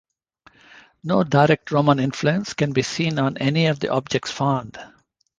No direct Roman influence can be seen on any of the objects found.